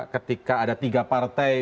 ketika ada tiga partai